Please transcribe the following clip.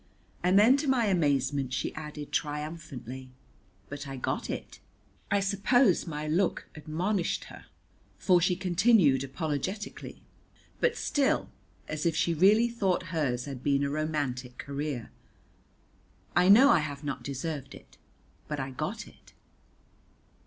And then to my amazement she added triumphantly, "But I got it." I suppose my look admonished her, for she continued apologetically but still as if she really thought hers had been a romantic career, "I know I have not deserved it, but I got it."